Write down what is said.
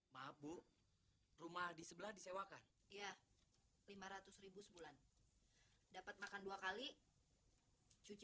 maaf bu rumah di sebelah disewakan ya lima ratus sebulan dapat makan dua kali cucu